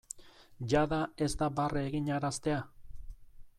Jada ez da barre eginaraztea?